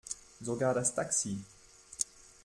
Sogar das Taxi.